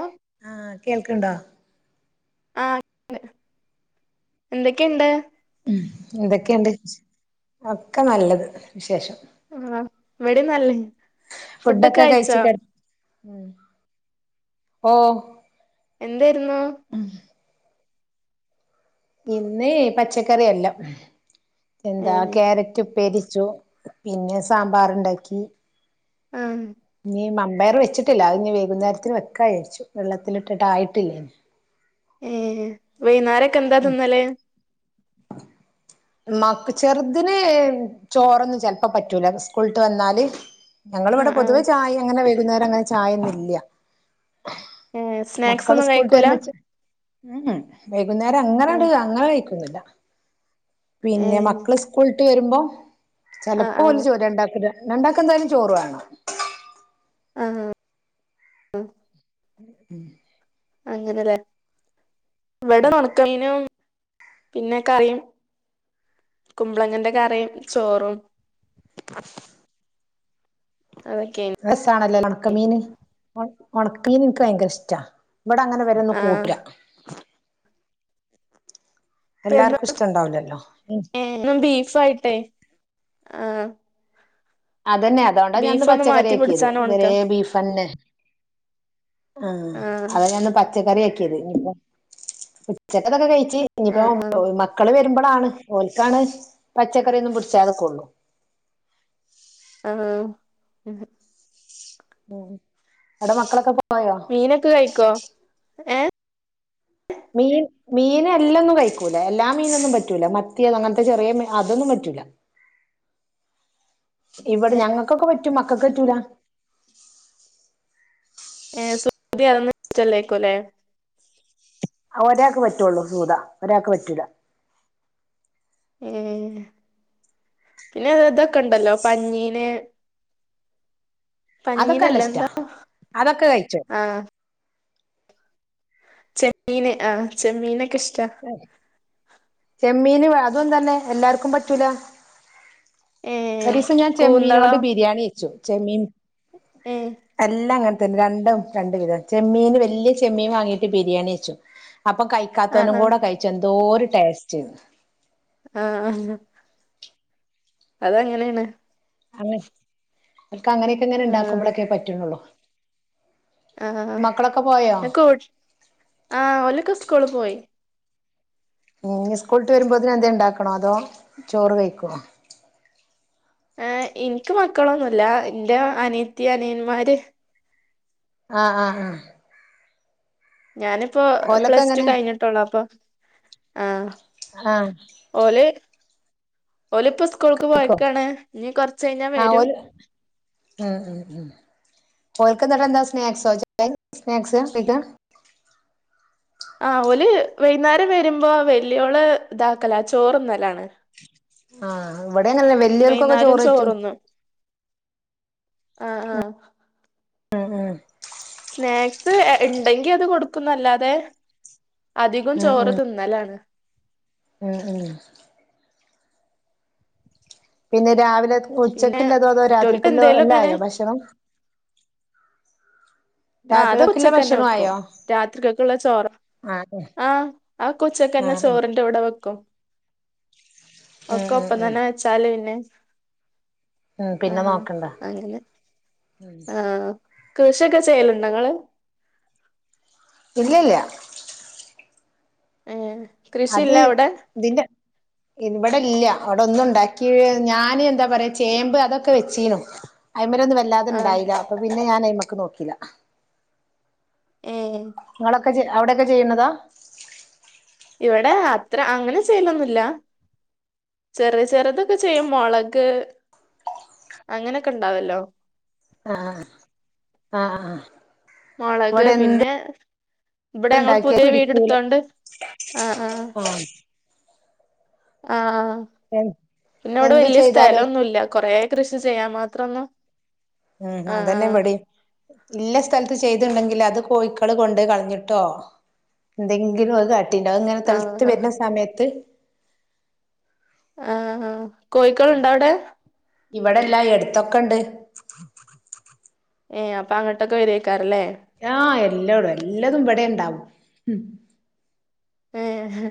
ഓ ആഹ് കേൾക്കണ്ടോ ആ എന്തൊക്കെയുണ്ട് എന്തൊക്കെയുണ്ട് ഒക്കെ നല്ലത് വിശേഷം ആഹ് ഇവിടെ നല്ലേ ഫുഡൊക്കെ കഴിച്ച് കഴിച്ചോ കെട ഉം ഓ എന്തായിരുന്നു ഇന്ന് പച്ചക്കറിയെല്ലാം എന്താ ഏ ക്യാരറ്റുപ്പേരി ച്ചു പിന്നെ സാമ്പാറുണ്ടാക്കി ആ ഇനി മം വേറെ വെച്ചിട്ടില്ല അതിനി വൈകുന്നേരത്തിന് വെക്കാ വിചാരിച്ചു വെള്ളത്തിലിട്ടിട്ട് ആയിട്ടില്ലേ ഏ വൈന്നേരം ക്കെന്താ തിന്നല് മക്ക് ചെറുതിന് ചോറൊന്നും ചെലപ്പോ പറ്റൂല സ്കൂളിട്ട് വന്നാല് ആ ഞങ്ങളിവിടെ ആ പൊതുവേ ചായ അങ്ങനെ വേ കുന്നേരങ്ങന ചായൊന്നും ഇല്ല ഏ സ്നാക്സ് ഒന്നും കഴിക്കൂല ചെ ഉം വെ വൈകുന്നേരം അങ്ങനെ ഏ അടി അങ്ങനെ കഴിക്കുന്നില്ല ഏ പിന്നെ മക്കള് സ്കൂൾ വിട്ട് വരുമ്പോ ആ ആ ചെലപ്പോല് ചോരുണ്ടാക്കില്ല രണ്ടാക്കെന്തായാലും ചോറ് വേണം ആ ആ ആ ഉം അങ്ങനല്ലേ ഇവിട ഒണക്കമീനും പിന്നെ കറിയും കുമ്പളങ്ങന്റെ കറിയും ചോറും ആ അതൊക്കെയ്നി ഉണക്കമീന് ഉണക്കമീൻ എനിക്ക് ഭയങ്കര ഇഷ്ടാ ഇവിടെ അങ്ങനെ വരന്ന് ആ കൂട്ടരാ ഇപ്പ എല്ലാർക്കും ഇഷ്ടണ്ടാവില്ലല്ലോ ഉം എന്നും ബീഫായിട്ടേ ആ അതന്നെ അതുകൊണ്ടാ ബീഫ് ഞാനിന്ന് ഒന്ന് പച്ചക്കറി മാറ്റി ആക്കിയത് പിടിച്ചാണ് ഇത് വരെ ഉണക്കം ബീഫന്നെ ആ അതന്ന് പ പച്ചക്കറി ആക്കിയത് ഇപ്പോ ഉച്ചക്കൊക്കെ കഴ ആ ഇനിയിപ്പോ മക്കള് വരുമ്പോളാണ് ഓൽക്കാണ് പച്ചക്കറിയൊന്നും പിടിച ഉള്ളു ഉം ഉം അവിടെ മക്കളൊക്കെ പോയോ മീനൊക്കെ കഴിക്കോ ഏ മീൻ മീൻ എല്ലാം ഒന്നും കഴിക്കൂല എല്ലാ മീനൊന്നും പറ്റൂല മത്തിയ അത് അങ്ങനത്തെ ചെറിയ മീൻ അതൊന്നും പറ്റൂല ഇവിടെ ഞങ്ങൾക്കൊക്കെ പറ്റും മക്കൊക്ക് പറ്റൂല ഏർ [unintelligible] സ വിച്ചല്ലേക്കോല്ലേ ആ ഒരാൾക്ക് പറ്റുള്ളു ചൂരാ ഒരാൾക്ക് പറ്റൂല ഉം പിന്നെ ഇതൊക്കെ ഉണ്ടല്ലോ പഞ്ഞീന് അതൊക്കെ നല്ല പഞ്ഞീനല്ല ഇഷ്ടാ എന്താ അതൊക്കെ കഴിച്ചോ ആ ചെമ്മീന് ആ ചെമ്മീനെ ചെമ്മീന് വേ അതെന്താ അമ്മെ എല്ലാർക്കും പറ്റൂല ഏ ഒരീസം ഞാൻ ചെമ്മീനോണ്ട് കൂന്തളം ബിരിയാണി വെച്ചു ചെമ്മീൻ ഏ എല്ലാം അങ്ങ രണ്ടും രണ്ട് വിധം ചെമ്മീന് വലിയ ചെമ്മീൻ വാങ്ങീട്ട് ബിരിയാണി വച്ചു അപ്പ കയി ആ മോനും ആ കൂടെ കഴിച്ചോ എന്തോര് ടേസ്റ്റ് ആ അത് അങ്ങനെയാണ് ആ അവർക്കങ്ങനൊക്കെ ഇങ്ങനെ ആ ഉണ്ടാക്കുമ്പോളക്കെ പറ്റുന്നുള്ളൂ മക്കളൊക്കെ പോയോ ആ ഓലൊക്കെ സ്കൂളി പോയി ആ സ്കൂളിട്ട് വരുമ്പോതിന് എന്ത ഉണ്ടാക്കണാ അതോ ചോറ് കഴിക്കുവോ ഏ എനിക്ക് മക്കളൊന്നുമില്ല എന്റെ അനിത്തി അനിയന്മാര് ആ ആ ആ ഞാനിപ്പോ പ്ലസ് ടു കഴിഞ്ഞിട്ടൊള്ള് അപ്പം ആഹ് ആഹ് ഓല് ഓലിപ്പ സ്കൂൾക്ക് കഴിക്കോ പോയേക്കാണ് ഇനി കൊറച്ച് കഴിഞ്ഞാ ആഹ് വരും ഓല് ഓൽക്കന്ത [unintelligible] എന്താ സ്നാക്സാ [unintelligible] സ്നാക്സ് ആ ഓല് വൈകുന്നേരം വരുമ്പോ വല്യോള് ഇതാക്കല ചോറൊന്നലാണ് ആഹ് ഇവടേം [unintelligible] വല്ല്യോൽക്കൊക്കെ ചോറ് പറ്റും. ആഹ് ആഹ് ആഹ് ആഹ് സ്നാക്സ് എ ഇണ്ടെങ്കി അത് കൊടുക്കൂന്നല്ലാതെ അധികം ചോറ് തിന്നലാണ് മ് മ് പിന്നെ രാവില പിന്നെ ഉച്ചക്കുല്ലതോ അതോ മറ്റോൽക്ക് രാത്രിക്കുല്ലോ എന്തേലും എല്ലാം ഇങ്ങനെ ആയോ ഭക്ഷണം ആ അത് രാത്രികൾക്കില്ല ഉച്ചയ്ക്കന്നെ ഭക്ഷണം വെക്കും ആയോ രാത്രിത്തേക്കൊക്കൊള്ള ചോറും ആഹ് ആ അതൊക്കെ ആഹ് ഉച്ചയ്ക്കന്നെ ആഹ് ചോറിന്റെ കൂടെ വെക്കും ഉം ഒക്കെ ഉം ഒപ്പം തന്നെ വെച്ചാല് പിന്നെ മ് ആ പിന്നെ നോക്കണ്ട അങ്ങനെ മ് കൃഷി ഒക്കെ ചെയ്യല്ണ്ടോ ങ്ങള് ഇല്ലല്ല ഏ അത് കൃഷിയില്ലേ അവിടെ തിന്റെ വടെ ഇല്ല അവടെ ഒന്നും ഉണ്ടാക്കി ഞാൻ എന്താ പറയാ ചേമ്പ് അതൊക്കെ വെച്ചീനു ഐമലൊന്നും ആ വല്ലാതെണ്ടായീല അപ്പ പിന്നെ ഞാന് നോകില ഏ ങ്ങളൊക്കെ അവടെക്കെ ചെയ്യുന്നതാ ഇവടെ അത്ര അങ്ങനെ ചെയ്യലൊന്നുല്ല ചെറിയ ചെറുതൊക്കെ ചെയ്യും മുളക് അങ്ങനൊക്കെ ണ്ടാവല്ലോ ആ ആ ആ മൊളക് പിന്നെ ഇവടെ ഞങ്ങൾ ഉണ്ടാക്കിയ പുതിയ പിടിക്കൂല വീടെടുത്തോണ്ട് ആ ആ ആഹ് ആ ആ പിന്നെ വടെ എന്ത് വല്ല്യേ ചെയ്താലും സ്ഥലൊന്നൂല്ല. കൊറെ കൃഷി ചെയ്യാൻ മാ ത്രന്നും മ് അതന്നെ ഇവ ടിം ഇല്ല സ്ഥലത്ത് ചെയ്ത്ണ്ടെങ്കില് അത് കോഴക്കള് കൊണ്ട് കളഞ്ഞിട്ടോ എന്തെങ്കിലും അത് അത് ങ്ങനെ ആ തെളത്ത് വരുന്ന സമയത്ത് ആ ആ കോയിക്കള് ണ്ടവടെ ഇബടെല്ലാ എട്ത്ത്ക്കെണ്ട് ഏ അപ്പൊ അങ്ങട്ടൊക്കെ വരൊയ്ക്കാറല്ലേ ആ എല്ലൗടെ എല്ലതും ബടെ ണ്ടാവും മ് ഏ ഹെ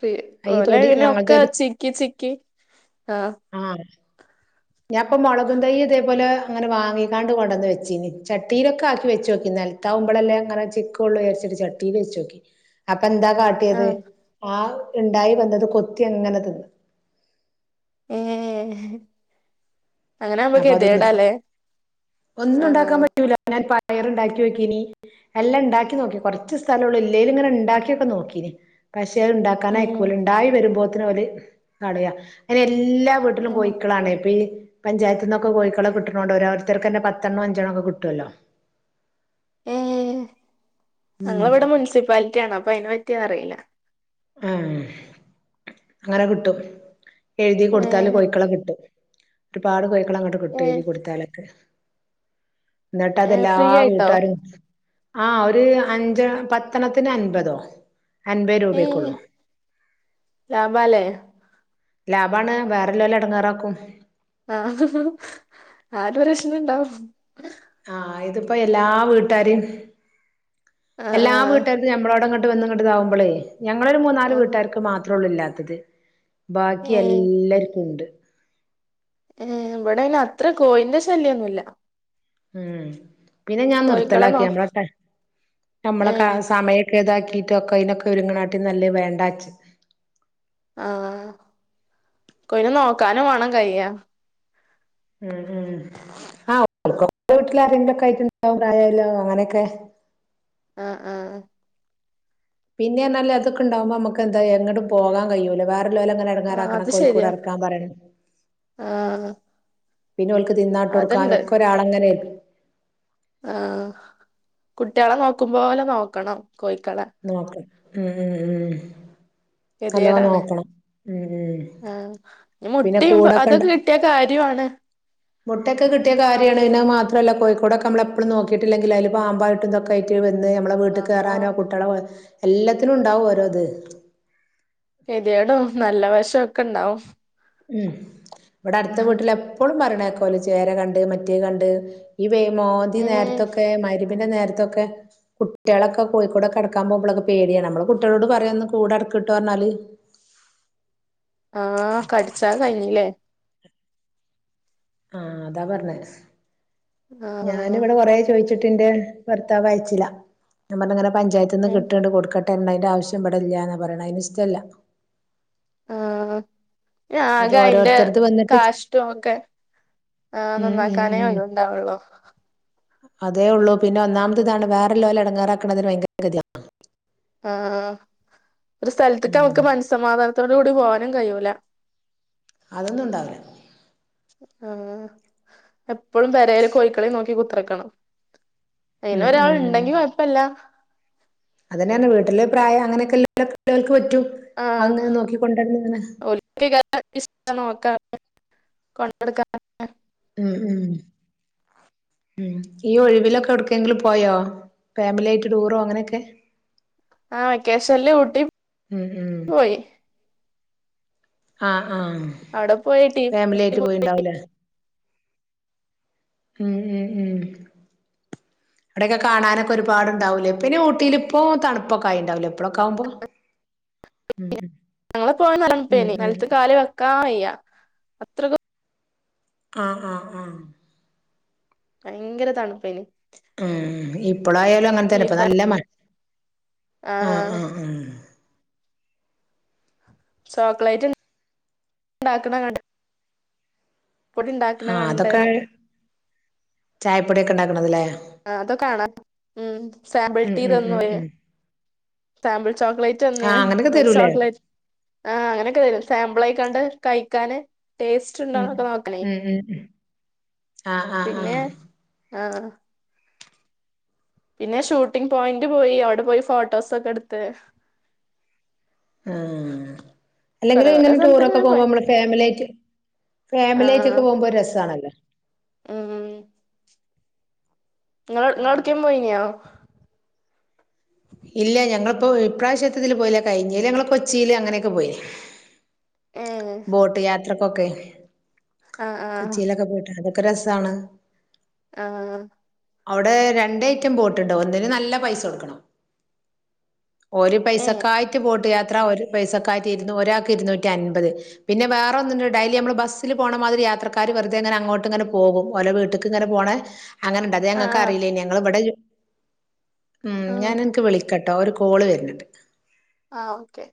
പി ഈ ഓല തൊടി അങ്ങ്നെ ഒക്ക ഞങ്ങൾതെ ഒരു ചിക്കി ചിക്കി ആ ഞാൻ പ്പം മൊളക്ം തയ്യ് ഇതേപോലെ അങ്ങനെ വാങ്ങിക്കാണ്ട് കൊണ്ടന്ന് വെച്ചീനി ചട്ടിയിലൊക്കെ ആക്കി വെച്ചോക്കി ന്നൽത്താവുമ്പളല്ലേ അങ്ങനെ ചിക്കൊള്ളു ഇയാരിച്ചിട്ട് ചട്ടീല് വെച്ച് ഓക്കിഅപ്പ് പ്പ ന്താ ആ കാട്ടിഏത് ആ ഇണ്ടായി വെന്നത് കൊത്തി അങ്ങനെ തിന്ന് ഏ അങ്ങനെ ആവുമ്പോ അപ്പൊ അതും ന്നിർ ഗതികേടാല്ലേ ആ പയർ ഇണ്ടാക്കി ഓക്കീനി എല്ലം ഇണ്ടാക്കി നോക്കി കൊർച്ച് സ്ഥല ഒള്ളൂ ഇള്ളേല് ങ്ങനെ ഇണ്ടാക്കി ഒക്കെ നോക്കീനി പഷ് ട്ടിയള് ഉം ഇണ്ടാക്കാനയ്ക്കൂല ഇണ്ടായി വരുമ്പോത് പോത്തിനെ കളയാ അയ്ന് എല്ലാ വീട്ടിലും ഉം കോയിക്കളാണേ പ്പിൻ പഞ്ചായത്ത്ന്നൊക്കെ കോഴിക്കളെ കിട്ട്ണോണ്ട് ഓരോര്ത്തർക്കെന്നെ പത്തെണ്ണോം അഞ്ചണ്ണ ഒക്കെ കിട്ടുഅല്ലോ ഞങ്ങൾ ഇവ്ടെ മുൻസിപ്പാലിറ്റി ആ ണ് പ്പയ്ന പറ്റി അറീല്ല ആ അങ്ങനെ കിട്ടും എഴുതി കൊടുത്താല് ഏ കോഴിക്കളെ കിട്ടും രുപാട് കോഴ് ക്കളെങ്ങട്ട് ഏ കിട്ടും എഴുതി കൊട്ത്താലൊക്കെ ന്ന്ട്ടത് ഏ എല്ലാ ഫ്രീ ആയിട്ടോ വീട്ടാരും ആ ഒര് അഞ്ച് പത്തെണ്ണത്തിന് അൻപതോ അന്പെ രൂപയ് [unintelligible] ലാഭാലെ ലാഭാണ് വേറള്ളോലെ എടെങ്ങേറാക്കും ആ ആരൊര് വെഷ്മണ്ടാവും ആ ഇത്പ്പം എല്ലാ വീട്ടാര്യിം ആ എല്ലാ ആ വീട്ടാര്തും ഞമ്മളോടങ്ങ ട്ട് വന്ന്ങ്ങട്ട്താവുമ്പളേ ഞങ്ങളൊരു മൂന്നാല് ആ വീട്ടാര്ക്ക് മാത്രോള്ളൂ ഇല്ല്യാ ത്തത് ബാക്കി ഏ എല്ലാര്ക്കുണ്ട് ഏ ബ്ടെയ്ന് അത്ര കോഴിൻ്റ ശല്ല്യെന്നുല്ലാ ഉം പിന്നെ ഞാൻ നിർത്തലാക്കി നോ നമ്മള ട നമ്മളെ ഏ കാ സമയെ ക്ക ഇതാക്കിട്ടൊക്കെ അയിനൊക്കെ ഒരുങ്ങണാട്ടി നല്ലേ വേണ്ടാച്ച് ആഹ് കോഴിനെ നോക്കാനും വാണം കയ്യാ ഉം ഉം ആ ഓല്ക്കൊക്കെ വീട്ടില് ആരെങ്കിലൊക്കായിട്ട് ഇണ്ടാവും പ്രായായൊലൊ അങ്ങനെയൊക്കെ ആഹ് ആഹ് പിന്നെ എന്നാല് അതൊക്കണ്ടാവുമ്പോ നമുക്ക്ന്തായാലും എങ്ങട്ടും പോകാൻ കഴിയൂല്ല വാ വ്ടെ ഉള്ളോലങ്ങെനെ ആ എടങ്ങേറാക്കണം അത് കോഴിക്കൂട് ശരിയാ അടക്കാൻ പറയണം ആ പിന്നോല്ക്ക് തിന്നാട്ടൊട്ക്കാനും അതുണ്ട് ഒക്കരാളങ്ങനെ ഏല് ആ കുട്ട്യാളെ നോക്കുമ്പോലെ നോക്കണം കോഴിക്കളെ നോക്കണം ഉം ഉ ഉം നല്ലോ കെദിയേടാണ് നോക്കണം ഉം ഉം ആഹ് ഞ്ഞ് പിന്നെ മുട്ടിം പ കൂടൊക്കെണ്ട് അതൊക്കെ കിട്ടിയ കാര്യൊണ് മുട്ടൊക്കെ കിട്ടിയാ കാര്യൊണ് പിന്നെ അഹ് മാ ത്രല്ല കോഴിക്കൂടൊക്കെ നമ്മളെപ്പളും നോക്കിട്ടില്ലെങ്കിലെ അയില് പാമ്പായിട്ടു തൊക്കായിട്ട് വ ന്ന് നമ്മളെ അപ്പൊ വീട്ട്ക്കേറാനോ കുട്ടികളെ പോ എല്ലത്തിനുണ്ടാവും ഓരോത് കെദ്യേടും നല്ല വശം ഒക്കെണ്ടാവും ഉം ഇവിടെ അട്ത്തെ വീട്ടിൽ എപ്പളും പറീണെ ക്കോല് ചേര കണ്ട് മറ്റേ കണ്ട് ഇ പ്പെയ് മോന്തി ഏഹ് നേര്ത്തൊക്കെ മയ്രി ബിൻ്റെ നേര്ത്തൊക്കെ കുട്ട്യാളൊക്കെ കോയിക്കൂടൊക്കെ അടക്കാൻ പോമ്പളൊക്കെ പേടിയാണ് ഞമ്മള് കുട്ട്യാളോട് പറയാ ഒന്ന് കൂട് അടക്കിട്ടു പറഞ്ഞാല് ആഹ് കടിച് ച്ചാ കയ് ഞ്ഞിലെ ആഹ് അതാ പറഞ്ഞേ ആഹ് ഞാനിവിടെ കൊറേ ചോയിച് ച്ചിട്ടിന്റെ ഭർത്താവ് അയ്ച്ചില ഞാൻ പർഞ്ഞിങ്ങനെ പഞ്ചായത്തിന്ന് കിട്ടിണ്ട് കൊട്ക ട്ട അയ്ന്റെ ആവശ്യം ഇവടെല്ലാന്ന പറീണേ അയിന് ഇഷ്ടല്ല ആഹ് അത് ആകെ അയിന്റെ ഓരോരുത്തരത് വന്നിട്ട് കാഷ്ടവും ഒക്കെ ആ ഉം ഉം നന്നാക്കാനേ ഉം ഒയിവിണ്ടാവോള്ളൂ അതേ ഉള്ളൂ പിന്നെ ഒന്നാമത് ഇതാണ് വേറെല്ലോലെ എടങ്ങേറാക്കണത് ഒര് ഭയങ്കര [unintelligible] ആഹ് ഒരു ഉം സ്ഥൽത്തിക്ക്ംക്ക് മൻസ്സമാധാനത്തോ ട്കൂടി പോവാനും കയ്യൂല അതൊന്നുണ്ടാവ്ല ആഹ് എ പ്പളും പെരേല് കൊയ്ക്കളീം നോ കുത്ത്രക്കണം അയിന ഉം ഒരാൾ ഇണ്ടെങ്കി കൊയ്പ്പല്ല അതെന്നെയാണ് വീട്ടില് പ്രായം അങ്ങനൊക്കെ [unintelligible] ആഹ് [unintelligible] നോക്കാ കൊണ്ടട്ക്കാ ഉ ഉ ഉ ഈ ഒഴിവിലൊക്കെ ഒട്ക്കേങ്കിലും പോയോ ഫാമിലി ആയിട്ട് ടൂറോ അങ്ങനെക്കെ ആഹ് വെക്കേശൻല് ഊട്ടീ ഉം ഉം പോയി ആഹ് ആഹ് അവിടെ പോയിട്ടി ഫാമിലി ആയിട്ട് [unintelligible] പോയിണ്ടാവൂലേ ഉം ഉ ഉം അവിടെക്കെ കാണാനൊക്കൊരുപാടുണ്ടാവൂലേ പിന്നെ ഊട്ടീല് ഇപ്പോ തണുപ്പൊക്കെ ആയിണ്ടാവ്ലേ ഞങ്ങള്പോയ നല്ല ഉം ഉം തൺപ്പേനി ഉം നെൽത്ത് കാല് വെക്കാ വയ്യ അത്രക്കു ആഹ് ആഹ് ആഹ് ഭയങ്കര തണുപ്പെനു ആഹ് [unintelligible] ഇപ്പോളായാലും അങ്ങനെ തന്നെ ഇപ്പ ഫാ നല്ല മ ആ ആഹ് ആഹ് ഉം ചോക്ലേറ്റ് ഉണ്ടാക്കണ കണ് പൊടി ഉണ്ടാക്കണ കണ്ട് ചായപ്പൊടിക്കെ ഉണ്ടാക്കണത് അല്ലേ ആഹ് അതോ കാണാം ഉം സാമ്പിൾ ഉം ടീ ഉം തന്നു ഉം ഒര് ഉം സാമ്പിൾ ചോക്ലേറ്റ് തന്ന് ആഹ് അങ്ങനൊക്കെ ഒരു തരൂലേ ചോക്ലേറ്റ് ആഹ് അങ്ങനെക്കെ തരും സാമ്പിൾ ആയിക്കണ്ട് കയി ക്കാന് ടേസ്റ്റ് ഉം ഉണ്ടോന്നൊക്കെ നോക്കണേ ഉം ഉം ഉം ആഹ് ആഹ് പിന്നെ ആഹ് ആഹ് പിന്നെ ഷൂട്ടിങ് പോയിന്റ് പോയി അവിടെ പോയി ഫോട്ടോസൊക്കെ എടുത്ത് ആഹ് കൊറെ അല്ലെങ്കിലും കൊറെ ഇങ്ങനെ ടൂറോക്കെ സ്ഥലത്ത്ങ്ങനെ പോകുമ്പോ പോയി നമ്മളെ ഫാമിലി ആയിട്ട് ഫാമിലി ആ ആയിട്ടൊക്കെ പോകുമ്പോ ഒരു രസാണല്ലോ ഉം നിങ്ങ നിങ്ങളെവ്ടെക്കേം പോയിനിയാ ഇല്ല ഞങ്ങളിപ്പോ ഇപ്രാവശ്യതത്തില് പോയില്ല കഴിഞ്ഞെല് ഞങ്ങള് കൊച്ചില് അങ്ങനെ ഒക്കെ പോയി ഏഹ് ബോട്ട് യാത്ര ക്കൊക്കെ ആഹ് ആഹ് കൊച്ചിലൊക്കെ പോയിട്ട് അത് രസാണ് ആഹ് അവിടെ രണ്ട് ഐറ്റം ബോട്ടുണ്ട് ഒന്നിന് നല്ല പൈസ കൊടുക്കണം. ഓര് ഏഹ് പൈസക്കായിട്ട് ബോട്ട് എത്ര ഓര് പൈസക്കായിട്ട് ഇരുന്നു ഒരാൾക്ക് ഇരുന്നൂറ്റൻപത് പിന്നെ വേറൊന്നുണ്ട് അതില് നമ്മള് ബസ്സിൽ പോണ മാതിരി യാത്രക്കാര് വെറുതെയങ്ങനാ അങ്ങോട്ട് ഇങ്ങനെ പോകും ഓരോ വിട്ട്ക്ക് ഇങ്ങനെ പോണ അങ്ങനെണ്ട് അത് ആഹ് ഞങ്ങൾക്ക് ആഹ് അറില്ലെന്നു ഞങ്ങൾ ഇവിടെ ലു ഉം ഞാൻ ആഹ് നിനിക്ക് വിളിക്ക ട്ടോ ഒരു കോള് വരുന്നിണ്ട് ആ ഓക്കെ